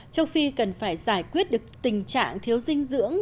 châu phi cần phải giải quyết được tình trạng thiếu dinh dưỡng